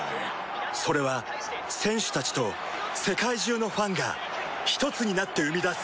それは選手たちと世界中のファンがひとつになって生み出す